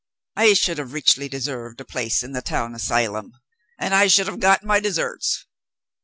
I should have richly deserved a place in the town asylum, and I should have got my deserts.